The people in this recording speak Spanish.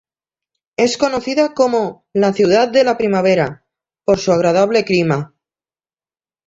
Es conocida como la "Ciudad de la Primavera" por su agradable clima.